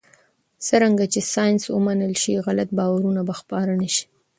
څرنګه چې ساینس ومنل شي، غلط باورونه به خپاره نه شي.